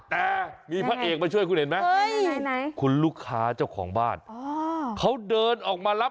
แต่มีพระเอกมาช่วยคุณเห็นไหม